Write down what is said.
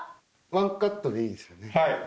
ワンカットでいいんですよね。